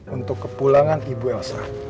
untuk ke pulangan ibu elsa